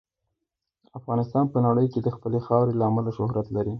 افغانستان په نړۍ کې د خپلې خاورې له امله شهرت لري.